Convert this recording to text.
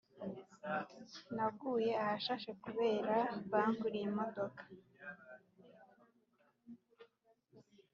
naguye ahashashe kubera banguriye imodoka